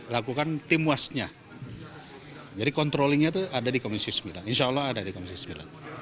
lakukan tim wasnya jadi controllingnya itu ada di komisi sembilan insya allah ada di komisi sembilan